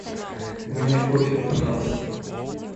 Мне кофе, пожалуйста.